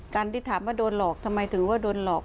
การที่ถามว่าโดนหลอกทำไมถึงว่าโดนหลอก